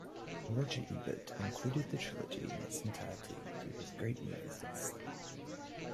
Roger Ebert included the trilogy in its entirety to his "Great Movies" list.